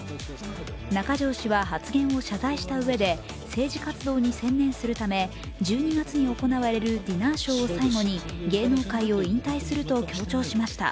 中条氏は発言を謝罪したうえで政治活動に専念するため１２月に行われるディナーショーを最後に芸能界を引退すると強調しました。